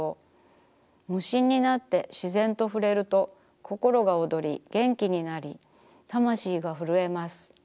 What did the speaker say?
無心になって自然と触れるとこころが躍り元気になり魂がふるえます。